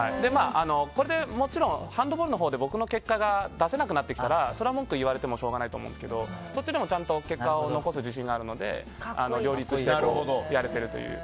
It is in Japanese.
これでもちろんハンドボールのほうで僕の結果が出せなくなってきたらそれは文句を言われても仕方ないと思うんですがそっちでもちゃんと結果を残す自信があるので両立してやれてるという。